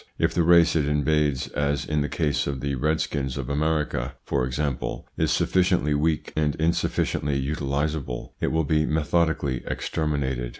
If the race it invades, as in the case of the Redskins of America, for example, is sufficiently weak, and insufficiently utilisable, it will be methodically exterminated.